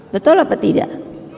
betul atau tidak